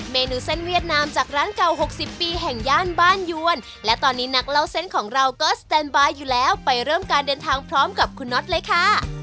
เมนูเส้นเวียดนามจากร้านเก่า๖๐ปีแห่งย่านบ้านยวนและตอนนี้นักเล่าเส้นของเราก็สแตนบายอยู่แล้วไปเริ่มการเดินทางพร้อมกับคุณน็อตเลยค่ะ